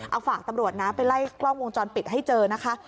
เอาฝากตำรวจนะไปไล่กล้องวงจรปิดให้เจอนะคะ